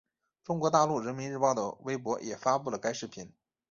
中国大陆人民日报的微博也发布了该视频。